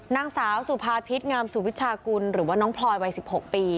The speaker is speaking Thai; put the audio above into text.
นางสาวสุภาพิษงามสุวิชากุลหรือว่าน้องพลอยวัย๑๖ปี